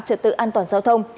trật tự an toàn giao thông